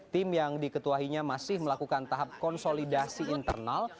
tim yang diketuahinya masih melakukan tahap konsolidasi internal